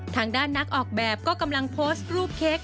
ทางด้านนักออกแบบก็กำลังโพสต์รูปเค้ก